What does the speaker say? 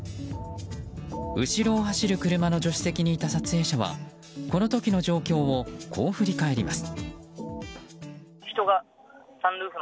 後ろを走る車の助手席にいた撮影者はこの時の状況をこう振り返ります。